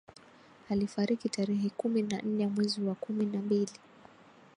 Alifariki tarehe kumi na nne mwezi wa kumi na mbili